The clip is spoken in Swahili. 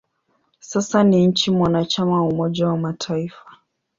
Sasa ni nchi mwanachama wa Umoja wa Mataifa.